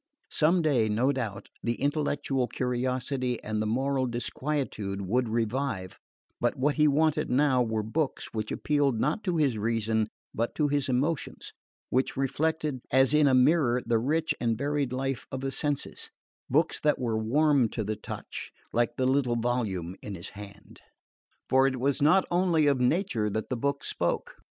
Some day, no doubt, the intellectual curiosity and the moral disquietude would revive; but what he wanted now were books which appealed not to his reason but to his emotions, which reflected as in a mirror the rich and varied life of the senses: books that were warm to the touch, like the little volume in his hand. For it was not only of nature that the book spoke.